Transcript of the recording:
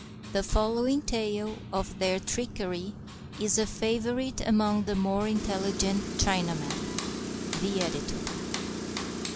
The following tale of their trickery is a favorite among the more intelligent Chinamen. The Editor.